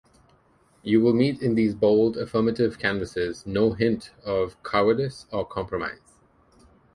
You will meet in these bold, affirmative canvases no hint of cowardice or compromise.